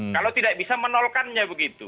kalau tidak bisa menolkannya begitu